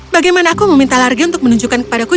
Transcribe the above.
bagaimana aku meminta large untuk menunjukkan kepadaku